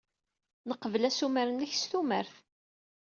Neqbel asumer-nnek s tumert.